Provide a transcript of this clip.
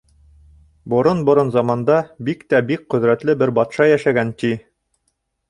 Борон-борон заманда бик тә бик ҡөҙрәтле бер батша йәшәгән, ти.